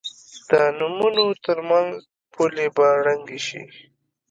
د نومونو تر منځ پولې به ړنګې شي.